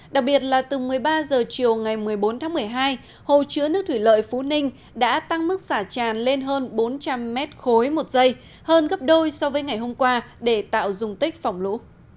đặc biệt là từ một mươi ba h chiều ngày một mươi bốn tháng một mươi hai hồ chứa nước thủy lợi phú ninh đã tăng mức xả tràn lên hơn bốn trăm linh mét khối một giây hơn gấp đôi so với ngày hôm qua để tạo dùng tích phòng lũ